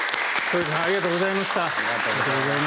反田さんありがとうございました。